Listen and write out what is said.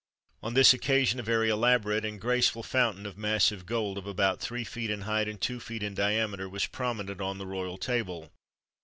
On this occasion a very elaborate and graceful fountain of massive gold of about three feet in height and two feet in diameter, was prominent on the royal table.